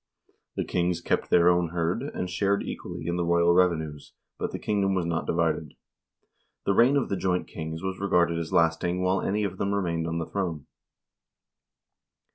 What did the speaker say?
The kings kept their own hird, and shared equally in the royal rev enues, but the kingdom was not divided. The reign of the joint kings was regarded as lasting while any of them remained on the throne.